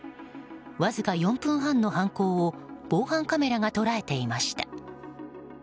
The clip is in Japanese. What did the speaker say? わずか４分半の犯行を防犯カメラが捉えていました。